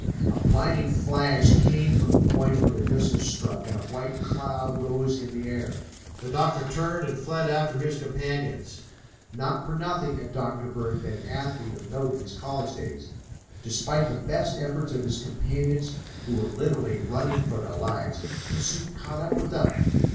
A blinding flash came from the point where the missile struck and a white cloud rose in the air. The doctor turned and fled after his companions. Not for nothing had Dr. Bird been an athlete of note in his college days. Despite the best efforts of his companions, who were literally running for their lives, he soon caught up with them.